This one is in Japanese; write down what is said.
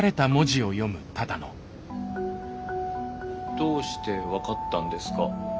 「どうしてわかったんですか？」。